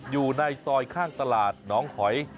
อยู่ในซอยข้างตลาดน้องหอย